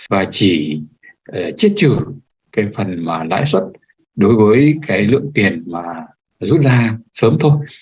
và chỉ chiết trừ cái phần mà lãi suất đối với cái lượng tiền mà rút ra sớm thôi